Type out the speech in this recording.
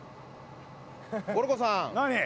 ゴルゴさん。